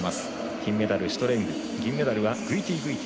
金メダル、シュトレング銀メダルはグイティグイティ